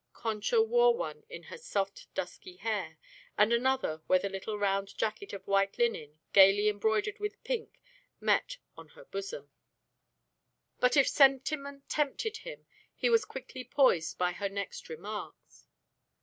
Concha wore one in her soft dusky hair, and another where the little round jacket of white linen, gaily embroidered with pink, met on her bosom. But if sentiment tempted him he was quickly poised by her next remarks.